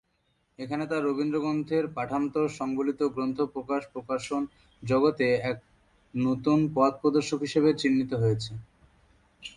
এখানে তার রবীন্দ্র গ্রন্থের পাঠান্তর সংবলিত গ্রন্থ-প্রকাশ প্রকাশন জগতে এক নূতন পথ প্রদর্শক হিসাবে চিহ্নিত হয়েছে।